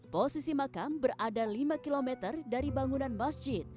posisi makam berada lima km dari bangunan masjid